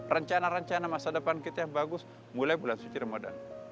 rencana rencana masa depan kita yang bagus mulai bulan suci ramadan